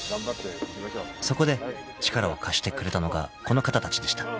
［そこで力を貸してくれたのがこの方たちでした］